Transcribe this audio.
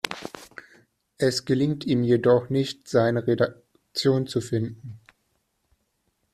Es gelingt ihm jedoch nicht, seine Redaktion zu finden.